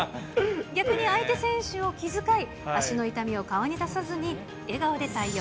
逆に相手選手を気遣い、足の痛みを顔に出さずに、笑顔で対応。